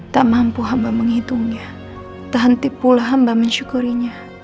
tak mampu hamba menghitungnya tahenti pula hamba mensyukurinya